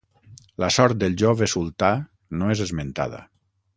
La sort del jove sultà no és esmentada.